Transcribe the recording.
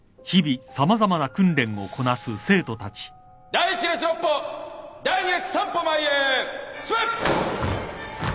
・第１列６歩第２列３歩前へ進め。